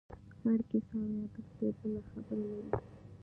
هره کیسه او یادښت یې بله خبره لري.